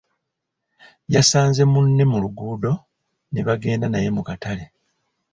Yasanze munne mu luguudo nebagenda naye mu katale.